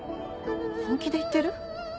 本気で言ってる？